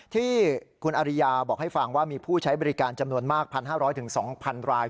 ที่คุณอริยาบอกให้ฟังว่ามีผู้ใช้บริการจำนวนมาก๑๕๐๐๒๐๐ราย